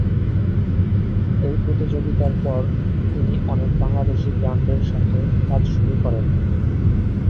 এই প্রতিযোগিতার পর, তিনি অনেক বাংলাদেশী ব্র্যান্ডের সাথে কাজ শুরু করেন।